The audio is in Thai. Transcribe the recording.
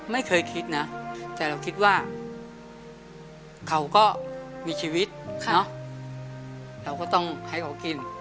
ไม่เคยคิดนะแต่เราคิดว่าเขาก็มีชีวิตเราก็ต้องให้เขากิน